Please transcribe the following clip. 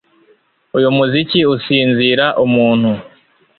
Uyu muziki usinzira umuntu